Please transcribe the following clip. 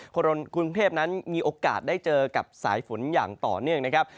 กรุงเทพนั้นมีโอกาสได้เจอกับสายฝนอย่างต่อเนื่องนะครับ